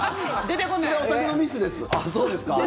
それ、お宅のミスです。